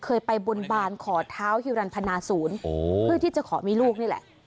เคยไปบนบานขอเท้าฮิวรรณพนาศูนย์เพื่อที่จะขอมีลูกนี่แหละ